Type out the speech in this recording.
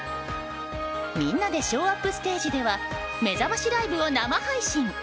みんなでＳＨＯＷＵＰステージではめざましライブを生配信。